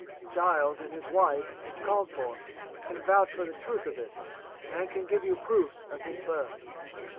Giles and his wife, if called for, can vouch for the truth of this, and can give you proofs of his birth."